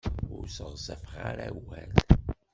Ur sɣezfeɣ ara awal.